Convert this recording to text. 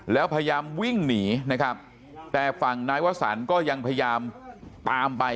แล้วพยายามวิ่งหนีนะครับแต่ฝั่งนายวสันก็ยังพยายามตามไป